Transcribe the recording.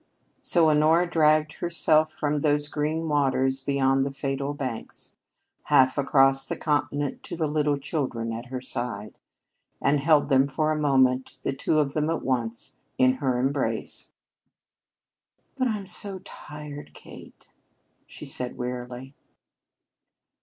So Honora dragged herself from those green waters beyond the fatal Banks, half across the continent to the little children at her side, and held them for a moment the two of them at once in her embrace. "But I'm so tired, Kate," she said wearily.